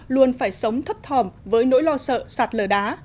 luôn phải sống thất thòm với nỗi lo sợ sạt lờ đá